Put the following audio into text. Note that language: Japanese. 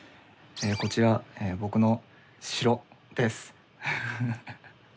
こちら僕の城です！ハハハ。